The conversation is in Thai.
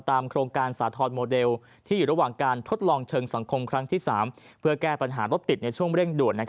โครงการสาธรณ์โมเดลที่อยู่ระหว่างการทดลองเชิงสังคมครั้งที่๓เพื่อแก้ปัญหารถติดในช่วงเร่งด่วน